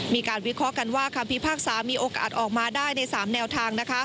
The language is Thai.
มีการวิเคราะห์กันว่าคำพิพากษามีโอกาสออกมาได้ใน๓แนวทาง